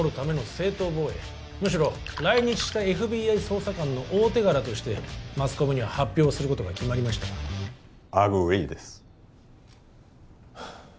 正当防衛むしろ来日したＦＢＩ捜査官の大手柄としてマスコミには発表することが決まりましたアグリーですはあっ